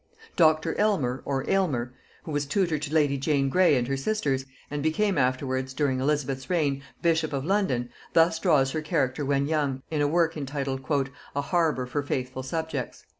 Dr. Elmer or Aylmer, who was tutor to lady Jane Grey and her sisters, and became afterwards, during Elizabeth's reign, bishop of London, thus draws her character when young, in a work entitled "A Harbour for faithful Subjects."